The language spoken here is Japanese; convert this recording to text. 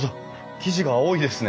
生地が青いですね。